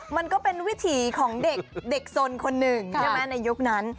มันก็เป็นวิถีของเด็กสนคนหนึ่งใช่ไหมในยุคนั้น